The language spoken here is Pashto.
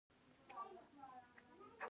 هغه د کورنۍ شخصي لګښتونه ورکوي